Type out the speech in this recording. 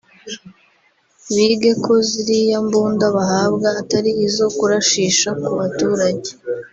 bige ko ziriya mbunda bahabwa atari izo kurashisha ku baturage